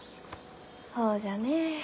ほうじゃね。